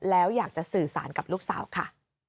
แล้วอยากจะสื่อสารกับลูกสาวค่ะ